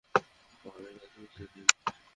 আমাদের কাজ করতে দিন।